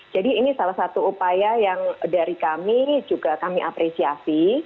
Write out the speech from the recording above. jadi ini salah satu upaya yang dari kami juga kami apresiasi